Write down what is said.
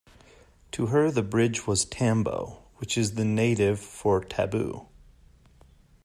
To her the bridge was tambo, which is the native for taboo.